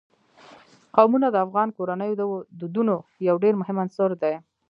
قومونه د افغان کورنیو د دودونو یو ډېر مهم عنصر دی.